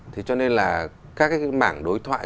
thế cho nên là các cái mảng đối thoại